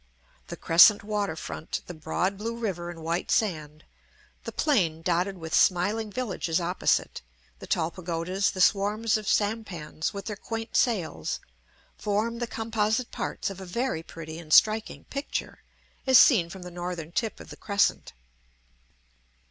The crescent water front, the broad blue river and white sand, the plain dotted with smiling villages opposite, the tall pagodas, the swarms of sampans with their quaint sails, form the composite parts of a very pretty and striking picture, as seen from the northern tip of the crescent.